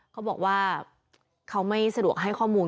เขาบอกว่าเขาไม่สะดวกให้ข้อมูล